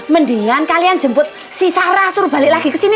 mendingan kalian jemput si sara suruh balik lagi ke sini